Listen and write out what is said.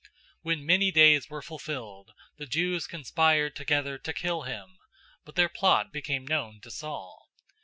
009:023 When many days were fulfilled, the Jews conspired together to kill him, 009:024 but their plot became known to Saul.